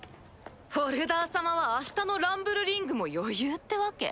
ホルダー様は明日のランブルリングも余裕ってわけ？